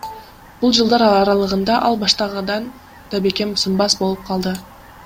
Бул жылдар аралыгында ал баштагыдан да бекем, сынбас болуп калды.